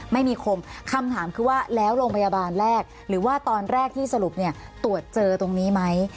ไม่มีคมคำถามคือว่าแล้วโรงพยาบาลแรกหรือว่าตอนแรกที่สรุปเนี่ยตรวจเจอตรงนี้ไหม